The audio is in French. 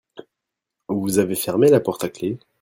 Vous avez fermé la porte à clef ?